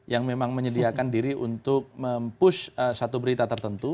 yang memang menyediakan diri untuk mempush satu berita tertentu